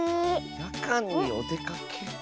やかんにおでかけ。